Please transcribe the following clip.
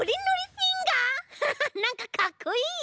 ハハッなんかかっこいい！